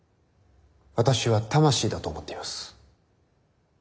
私は魂だと思っています。